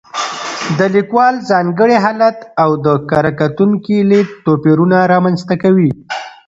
د لیکوال ځانګړی حالت او د کره کتونکي لید توپیرونه رامنځته کوي.